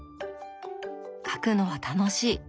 描くのは楽しい。